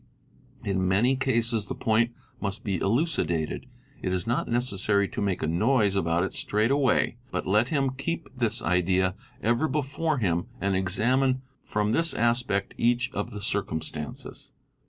In many cases the point must be elucidated ; it is not necessary to make a noise about it straight away, : but let him keep this idea ever before him and examine from this aspect each of the circumstances.